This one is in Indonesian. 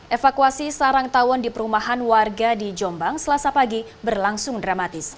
evakuasi sarang tawon di perumahan warga di jombang selasa pagi berlangsung dramatis